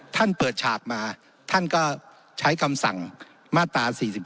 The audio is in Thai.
เปิดฉากมาท่านก็ใช้คำสั่งมาตรา๔๔